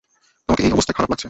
তোমাকে এই অবস্থায় খারাপ লাগছে।